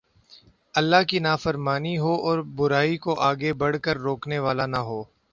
اللہ کی نافرمانی ہو اور برائی کوآگے بڑھ کر روکنے والا نہ ہو